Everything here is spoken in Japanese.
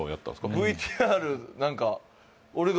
ＶＴＲ何か俺が